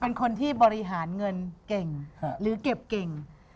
เป็นคนที่บริหารเงินเก่งหรือเก็บเก่ง